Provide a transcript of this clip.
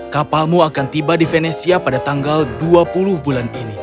kapalmu akan tiba di venesia pada tanggal dua puluh bulan ini